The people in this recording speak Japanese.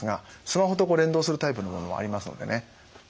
スマホと連動するタイプのものもありますのでね。